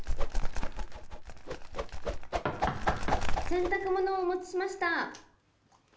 洗濯物をお持ちしました。